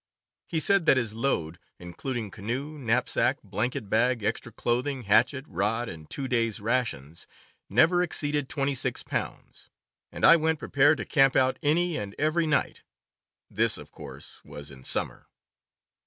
He said that his load, including canoe, knapsack, blanket bag, extra clothing, hatchet, rod, and two days' rations, "never exceeded twenty six pounds; and I went prepared to camp out any and every night." This, of course, was in summer.